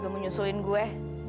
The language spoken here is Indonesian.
udah menyusulin gue